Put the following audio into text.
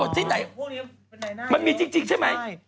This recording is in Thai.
ที่ไหนมันมีจริงใช่ไหม